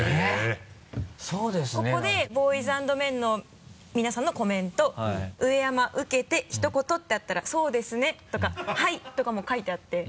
「ここでＢＯＹＳＡＮＤＭＥＮの皆さんのコメント」「上山受けてひと言」ってあったら「そうですね」とか「はい」とかも書いてあって。